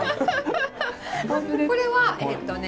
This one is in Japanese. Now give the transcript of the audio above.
これはえっとね